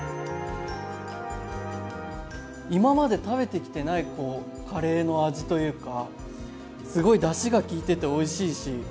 今まで食べてきてないカレーの味というかすごいだしが効いてておいしいし